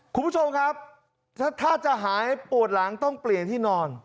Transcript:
คุณผู้ชมครับถ้าจะหายปวดหลังต้องเปลี่ยนที่นอน